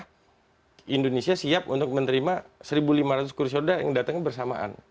apakah indonesia siap untuk menerima seribu lima ratus kursi roda yang datangnya bersamaan